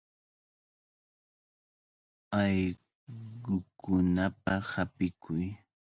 Allqukunapaq apikuy.